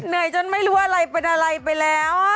เหนื่อยจนไม่รู้อะไรเป็นอะไรไปแล้ว